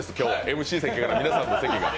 ＭＣ席から皆さんの席が。